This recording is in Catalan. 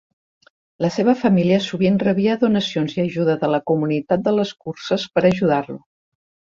La seva família sovint rebia donacions i ajuda de la comunitat de les curses per ajudar-lo.